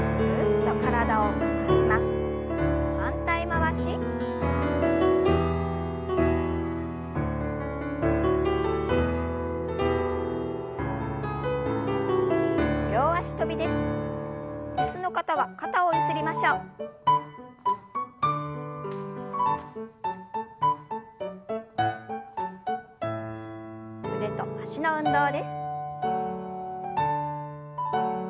腕と脚の運動です。